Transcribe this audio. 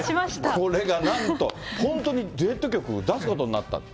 これがなんと、本当にデュエット曲出すことになった。